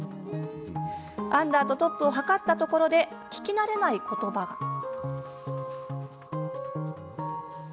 アンダーとトップを測ったところで聞き慣れないことばが。